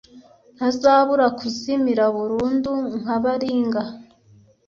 ntazabura kuzimira burundu nka baringa